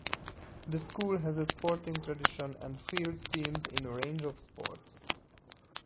The school has a sporting tradition, and fields teams in a range of sports.